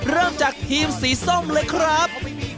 เริ่มจากทีมสีส้มเลยครับ